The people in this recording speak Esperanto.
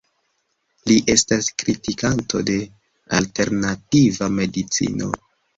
Li estas kritikanto de Alternativa medicino.